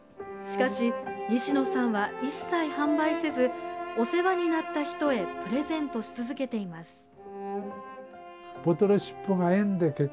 しかし、西野さんは一切販売せずお世話になった人へプレゼントし続けています。